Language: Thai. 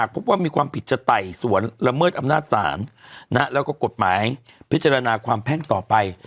พบว่ามีความผิดจะไต่สวนละเมิดอำนาจศาลแล้วก็กฎหมายพิจารณาความแพ่งต่อไป